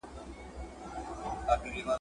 دلته چي هر خوږمن راغلی نیمه خوا وتلی ,